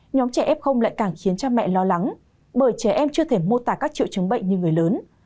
nhóm trẻ f lại càng khiến cha mẹ lo lắng bởi trẻ em chưa thể mô tả các triệu chứng bệnh như người lớn